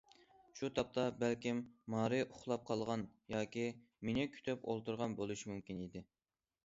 شۇ تاپتا، بەلكىم، مارى ئۇخلاپ قالغان ياكى مېنى كۈتۈپ ئولتۇرغان بولۇشى مۇمكىن ئىدى.